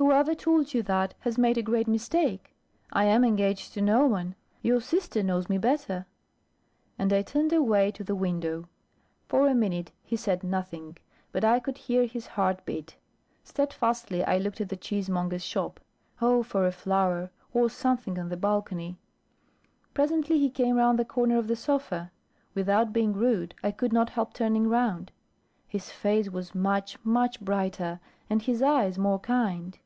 "Whoever told you that, has made a great mistake. I am engaged to no one. Your sister knows me better." And I turned away to the window. For a minute he said nothing; but I could hear his heart beat. Stedfastly I looked at the cheesemonger's shop. Oh for a flower, or something on the balcony! Presently he came round the corner of the sofa. Without being rude, I could not help turning round. His face was much, much, brighter, and his eyes more kind.